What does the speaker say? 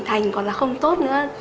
thì trưởng thành còn là không tốt nữa